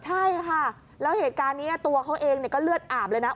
ใช่ค่ะแล้วเหตุการณ์นี้ตัวเขาเองก็เลือดอาบเลยนะ